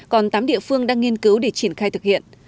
còn tám địa phương đang nghiên cứu để triển khai thực hiện